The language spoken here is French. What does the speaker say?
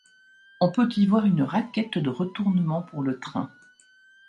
On peut y voir une raquette de retournement pour le train.